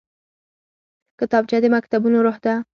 کتابچه د مکتبونو روح ده